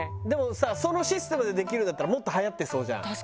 でもさそのシステムでできるんだったらもっと流行ってそうじゃん。